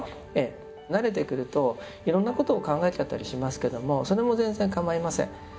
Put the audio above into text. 慣れてくるといろんなことを考えちゃったりしますけどもそれも全然構いません。